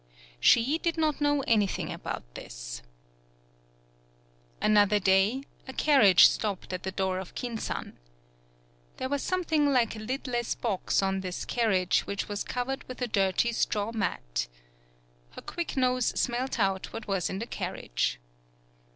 She did not know anything about this. Another day, a carriage stopped at the door of Kin san. There was some thing like a lidless box on this carriage, 127 PAULOWNIA which was covered with a dirty straw mat. Her quick nose smelt out what was in the carriage.